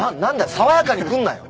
爽やかに来んなよ！